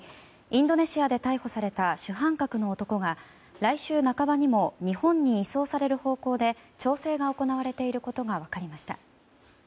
インドネシアで逮捕された主犯格の男が来週半ばにも日本に移送される方向で調整が行われていることが分かりました。